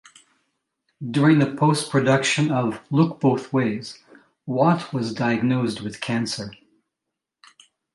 During the post-production of "Look Both Ways", Watt was diagnosed with cancer.